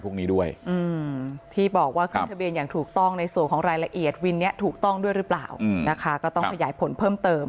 ก็ต้องขยายผลเพิ่มเติม